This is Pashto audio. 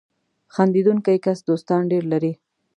• خندېدونکی کس دوستان ډېر لري.